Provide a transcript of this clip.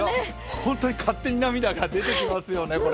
本当に勝手に涙が出てきますよね、これ。